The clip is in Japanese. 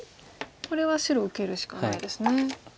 これは白受けるしかないですね。